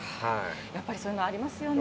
やっぱりそういうのありますよね。